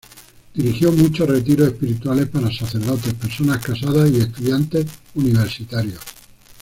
Dirigió muchos retiros espirituales para sacerdotes, personas casadas y estudiantes universitarios.